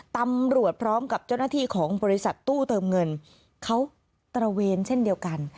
ตำรวจพร้อมกับเจ้าหน้าที่ของบริษัทตู้เติมเงินเขาตระเวนเช่นเดียวกัน